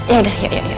yaudah yuk yuk yuk